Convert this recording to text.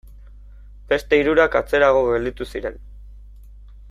Beste hirurak atzerago gelditu ziren.